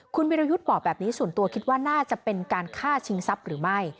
คุณวิรยุทธ์บอกแบบนี้ส่วนตัวคิดว่าน่าจะเป็นการฆ่าชิงทรัพย์หรือไม่